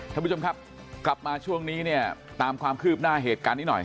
ท่านผู้ชมครับกลับมาช่วงนี้เนี่ยตามความคืบหน้าเหตุการณ์นี้หน่อย